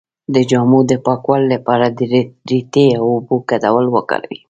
د جامو د پاکوالي لپاره د ریټې او اوبو ګډول وکاروئ